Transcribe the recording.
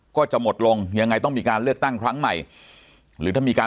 ก็จะหมดลงยังไงต้องมีการเลือกตั้งครั้งใหม่หรือถ้ามีการ